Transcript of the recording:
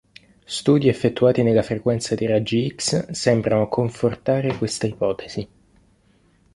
Studi effettuati nella frequenza dei raggi X sembrano confortare questa ipotesi.